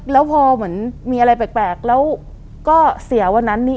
แล้วพอเหมือนมีอะไรแปลกแล้วก็เสียวันนั้นนี่